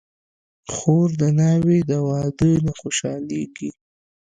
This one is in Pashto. خور د ناوې د واده نه خوشحالېږي.